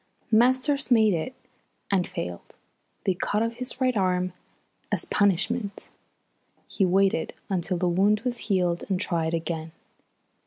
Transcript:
Masters made it and failed. They cut off his right arm as a punishment. He waited until the wound was healed and tried again.